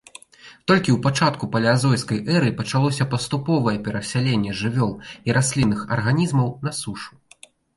Толькі ў пачатку палеазойскай эры пачалося паступовае перасяленне жывёл і раслінных арганізмаў на сушу.